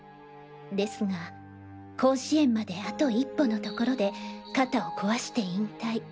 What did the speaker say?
ですが甲子園まであと一歩の所で肩を壊して引退。